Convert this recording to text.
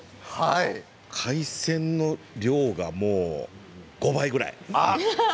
海鮮の量がもう５倍ぐらい。